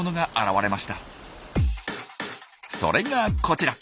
それがこちら。